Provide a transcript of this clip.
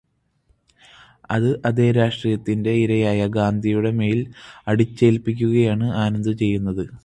അത് അതേ രാഷ്ട്രീയത്തിന്റെ ഇരയായ ഗാന്ധിയുടേ മേല് അടിച്ചേല്പിക്കുകയാണു ആനന്ദ് ചെയ്യുന്നത്.